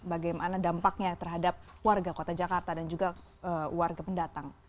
bagaimana dampaknya terhadap warga kota jakarta dan juga warga pendatang